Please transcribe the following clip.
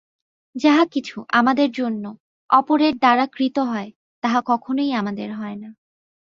যাহা কিছু আমাদের জন্য অপরের দ্বারা কৃত হয়, তাহা কখনই আমাদের হয় না।